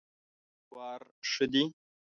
کوم نسوار ښه دي؟